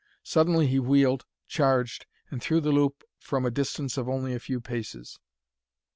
Suddenly he wheeled, charged, and threw the loop from a distance of only a few paces.